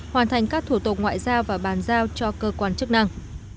hoàn thành các thủ tục ngoại giao và bàn giao cho cơ quan chức năng